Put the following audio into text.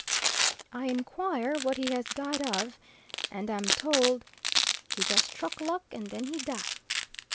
I inquire what he has died of, and am told "He just truck luck, and then he die."